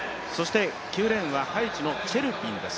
９レーンはハイチのチェルビンです